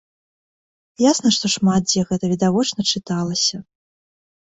Ясна, што шмат дзе гэта відавочна чыталася.